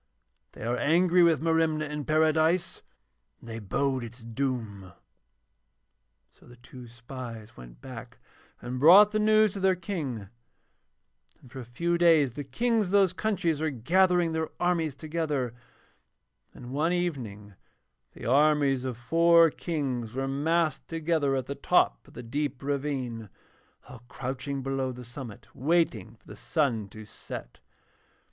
They are angry with Merimna in Paradise and they bode its doom.' So the two spies went back and brought the news to their King, and for a few days the Kings of those countries were gathering their armies together; and one evening the armies of four Kings were massed together at the top of the deep ravine, all crouching below the summit waiting for the sun to set.